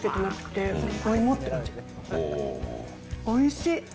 おいしい。